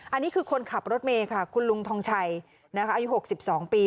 อันนี้คือคนขับรถเมล์ค่ะคุณลุงทองชัยนะคะอายุหกสิบสองปี